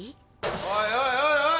おいおいおいおい！